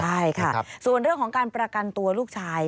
ใช่ค่ะส่วนเรื่องของการประกันตัวลูกชาย